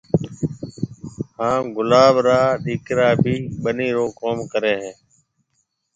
هانَ گلاب را ڏِيڪرا بي ٻنِي رو ڪوم ڪريَ هيَ۔